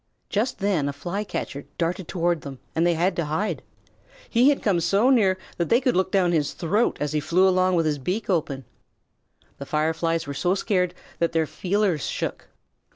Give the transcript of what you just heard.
Just then a Flycatcher darted toward them and they had to hide. He had come so near that they could look down his throat as he flew along with his beak open. The Fireflies were so scared that their feelers shook.